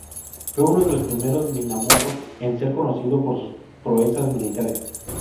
Fue uno de los primeros Minamoto en ser conocido por sus proezas militares.